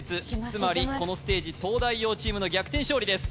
つまりこのステージ東大王チームの逆転勝利です